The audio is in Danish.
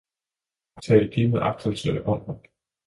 Tal De med agtelse om ham!